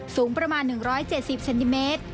สูงประมาณ๑๗๐เซนติเมตร